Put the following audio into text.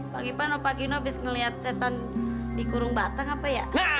pak ipan dan pak gino abis ngeliat setan di kurung batang apa ya